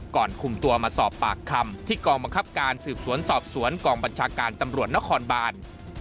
ก่อนคุมตัวมาสอบปากคำที่กองบังคับการสืบสวนสอบสวนกองบัญชาการตำรวจนครบาน